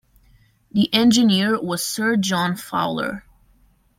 The engineer was Sir John Fowler.